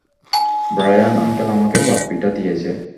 Brian uncle আমাকে পাপ্পিটা দিয়েছে।